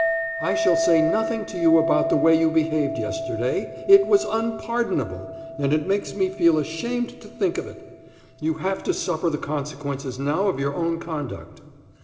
"I shall say nothing to you about the way you behaved yesterday. It was unpardonable, and it makes me feel ashamed to think of it. You have to suffer the consequences now of your own conduct.